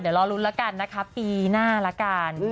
เดี๋ยวรอลุ้นแล้วกันนะคะปีหน้าละกัน